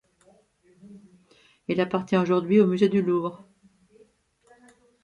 Elle appartient aujourd'hui au musée du Louvre.